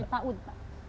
dari paud pak